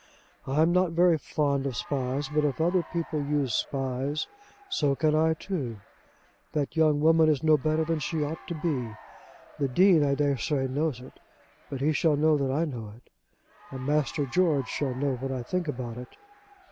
I am not very fond of spies; but if other people use spies, so can I too. That young woman is no better than she ought to be. The Dean, I daresay, knows it; but he shall know that I know it. And Master George shall know what I think about it.